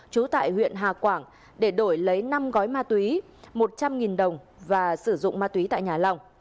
trú tại huyện hà quảng để đổi lấy năm gói ma túy một trăm linh đồng và sử dụng ma túy tại nhà long